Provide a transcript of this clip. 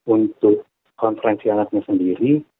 untuk konferensi anaknya sendiri